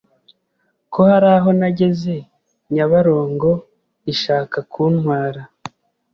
ko hari aho nageze nyabarongo ishaka kuntwara